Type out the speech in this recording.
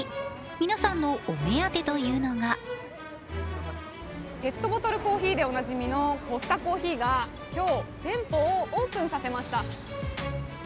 皆さんのお目当てというのがペットボトルコーヒーでおなじみのコスタコーヒーが今日、店舗をオープンさせました。